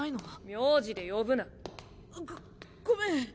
名字で呼ぶな。ごごめん。